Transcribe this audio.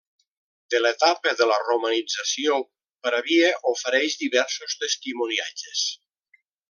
De l'etapa de la romanització Pravia ofereix diversos testimoniatges.